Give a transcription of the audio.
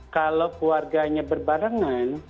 kalau keluarganya berbarengan